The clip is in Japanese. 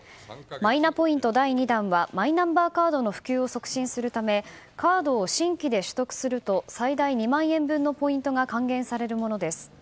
マイナポイント第２弾はマイナンバーカードの普及を促進するためカードを新規で取得すると最大２万円分のポイントが還元されるものです